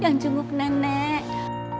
neneknya udah kembali ke rumah sakit